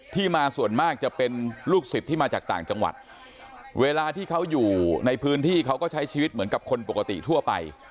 มาส่วนมากจะเป็นลูกศิษย์ที่มาจากต่างจังหวัดเวลาที่เขาอยู่ในพื้นที่เขาก็ใช้ชีวิตเหมือนกับคนปกติทั่วไป